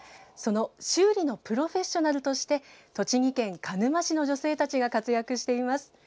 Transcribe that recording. その修理のプロフェッショナルとして栃木県鹿沼市の女性たちが活躍しています。